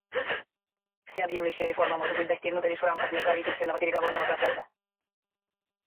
Всеобъемлющая реформа может быть достигнута лишь в рамках межправительственного переговорного процесса.